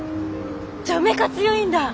じゃメカ強いんだ。